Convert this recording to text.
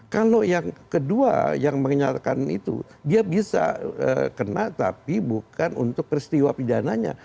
kalau yang kedua yang menyatakan itu dia bisa kena tapi bukan untuk peristiwa pidananya